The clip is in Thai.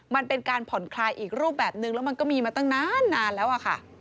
มันเป็นการผ่อนคลายอีกรูปแบบนึงแล้วมันก็มีมาตั้งนานแล้วอะค่ะ